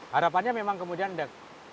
harapannya memang kemudian ada